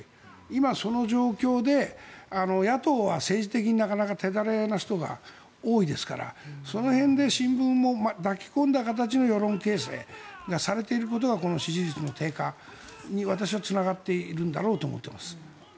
今、その状況で野党は政治的になかなか手練れな人が多いですからその辺で、新聞も巻き込んだ形の世論形成がされていることがこの支持率低下に私はつながっているんだろうと思っています。